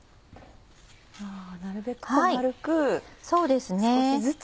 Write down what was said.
なるべく丸く少しずつ。